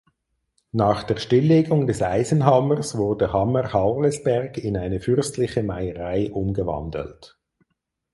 Nach der Stilllegung des Eisenhammers wurde Hammerharlesberg in eine fürstliche Meierei umgewandelt.